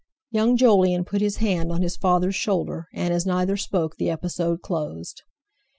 Young Jolyon put his hand on his father's shoulder, and, as neither spoke, the episode closed.